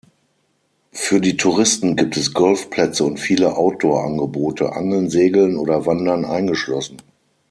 Für die Touristen gibt es Golf-Plätze und viele Outdoor-Angebote, Angeln, Segeln oder Wandern eingeschlossen.